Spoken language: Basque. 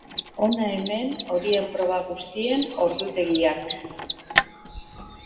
Hona hemen horien proba guztien ordutegiak.